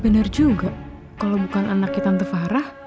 bener juga kalau bukan anaknya tante farah